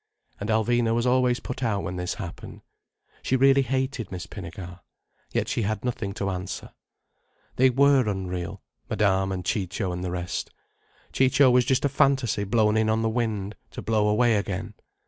And Alvina was always put out when this happened. She really hated Miss Pinnegar. Yet she had nothing to answer. They were unreal, Madame and Ciccio and the rest. Ciccio was just a fantasy blown in on the wind, to blow away again.